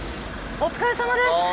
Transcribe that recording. お疲れさまです。